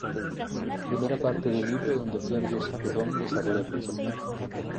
Primera parte del libro donde Pierre-Joseph Proudhon desarrolla el concepto.